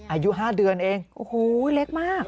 อายุ๕เดือนเองโอ้โหเล็กมาก